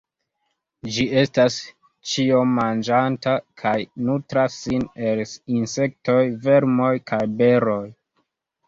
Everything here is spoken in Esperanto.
Ĝi estas ĉiomanĝanta, kaj nutras sin el insektoj, vermoj kaj beroj.